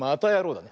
だね。